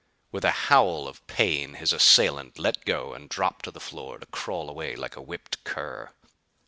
With a howl of pain his assailant let go and dropped to the floor to crawl away like a whipped cur.